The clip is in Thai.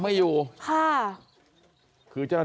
ตั้งปลา